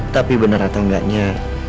tapi bener atau enggaknya